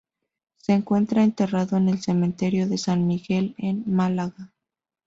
Se encuentra enterrado en el Cementerio de San Miguel, en Málaga.